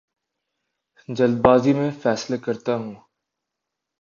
جلد بازی میں فیصلے کرتا ہوں